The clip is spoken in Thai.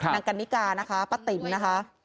กันนิกานะคะป้าติ๋มนะคะ